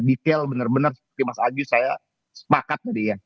detail benar benar seperti mas agus saya sepakat tadi ya